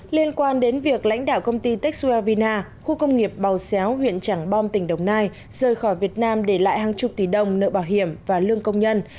liên quan đến việc lãnh đạo công ty techsua vina khu công nghiệp bào xéo huyện trảng bom tỉnh đồng nai rời khỏi việt nam để lại hàng chục tỷ đồng nợ bảo hiểm và lương công nhân